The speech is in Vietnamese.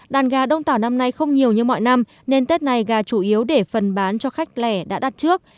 đàn gà đông tảo năm nay không nhiều như mọi năm nên tết này gà chủ yếu để phần bán cho khách lẻ đã đặt trước